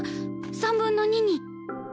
３分の２に。